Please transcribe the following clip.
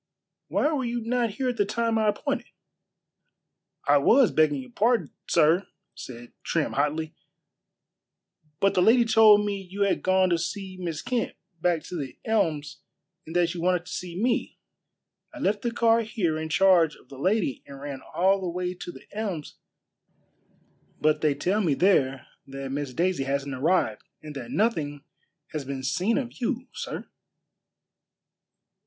"Why were you not here at the time I appointed?" "I was, begging your pardon, sir," said Trim hotly; "but the lady told me you had gone to see Miss Kent back to The Elms and that you wanted to see me. I left the car here in charge of the lady and ran all the way to The Elms; but they tell me there that Miss Daisy hasn't arrived and that nothing has been seen of you, sir."